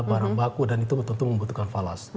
barang baku dan itu tentu membutuhkan falas